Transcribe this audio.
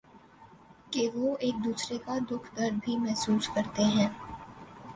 کہ وہ ایک دوسرے کا دکھ درد بھی محسوس کرتے ہیں ۔